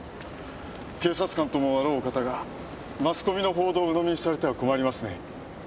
警察官ともあろうお方がマスコミの報道を鵜呑みにされては困りますね。